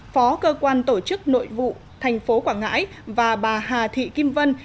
phó cơ quan tổ chức nội vụ thành phố quảng ngãi và bà hà thị kim vân